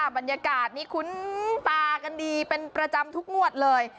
บรรยากาศนี้คุ้นตากันดีเป็นประจำทุกงวดเลย